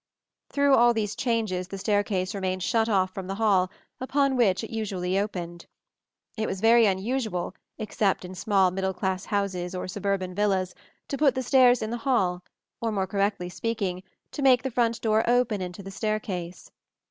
Through all these changes the staircase remained shut off from the hall, upon which it usually opened. It was very unusual, except in small middle class houses or suburban villas, to put the stairs in the hall, or, more correctly speaking, to make the front door open into the staircase.